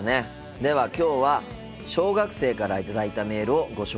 ではきょうは小学生から頂いたメールをご紹介しようと思います。